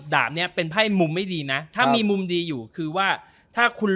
ดาบนี้เป็นไพ่มุมไม่ดีนะถ้ามีมุมดีอยู่คือว่าถ้าคุณ